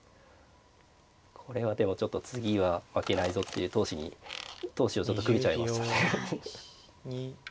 これはでもちょっと次は負けないぞっていう闘志に闘志をちょっとくべちゃいましたね。